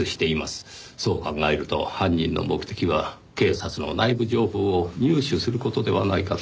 そう考えると犯人の目的は警察の内部情報を入手する事ではないかと。